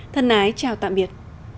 thân ái chào tạm biệt